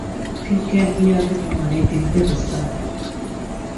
پھر کہہ دیا کہ تمھارے دل میں بستا ہے ۔